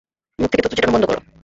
মুখ থেকে থু থু ছিটানো বন্ধ কর।